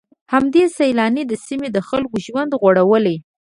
همدې سيلانۍ د سيمې د خلکو ژوند غوړولی.